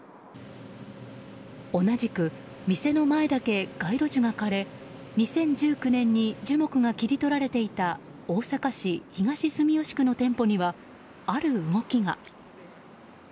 同じく、店の前だけ街路樹が枯れ２０１９年に樹木が切り取られていた大阪市東住吉区の店舗にはある動きが。